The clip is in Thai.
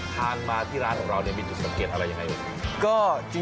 ทางมาที่ร้านของเราเนี่ยมีจุดสังเกตอะไรอย่างไรครับ